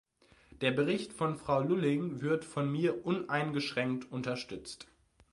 Der Bericht von Frau Lulling wird von mir uneingeschränkt unterstützt.